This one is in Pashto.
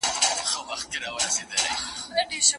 تاسي به سبا سهار خپل ټول کارونه په کتابچه کي لست کړئ.